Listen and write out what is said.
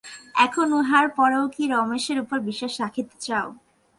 এখন, ইহার পরেও কি রমেশের উপর বিশ্বাস রাখিতে চাও?